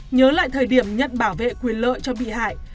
nhớ lại thời điểm nhận bảo vệ quyền lợi cho bị hại